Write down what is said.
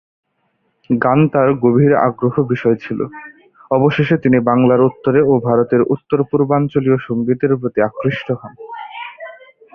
গান তার গভীর আগ্রহ বিষয় ছিল; অবশেষে তিনি বাংলার উত্তরে ও ভারতের উত্তর-পূর্বাঞ্চলীয় সঙ্গীতের প্রতি আকৃষ্ট হন।